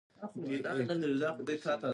د ارګ پر ځای ملل متحد ته ولې لاړ،